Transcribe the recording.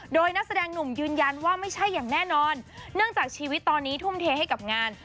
โดยนักแสดงหนุ่มยืนยันว่าไม่ใช่อย่างแน่นอนเนื่องจากชีวิตตอนนี้ทุ่มเทให้กับงาน